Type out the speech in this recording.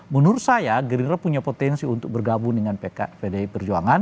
menurut saya gerindra punya potensi untuk bergabung dengan pdi perjuangan